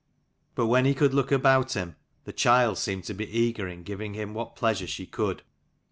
But when he could look about him, the child seemed to be eager in giving him what pleasure she could.